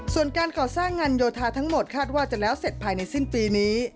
ส่วนการก่อสร้างงานโยธาทั้งหมดคาดว่าจะแล้วเสร็จภายในสิ้นปีนี้